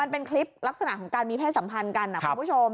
เป็นคลิปลักษณะของการมีเพศสัมพันธ์กันนะคุณผู้ชม